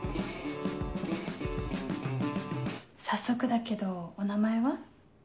早速だけどお名前は？